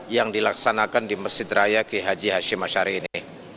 yang dilaksanakan di masjid raya ki haji hashim ashari ini